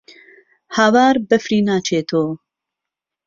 هاوار بەفری ناچێتۆ